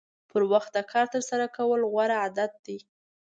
پر وخت د کار ترسره کول غوره عادت دی.